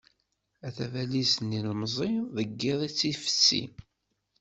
A tabalizt n yilemẓi, deg yiḍ i tt-id-ifessi.